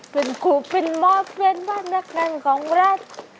เป็นครูเป็นหมอเพื่อนว่านักการของรัฐ